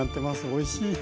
おいしい。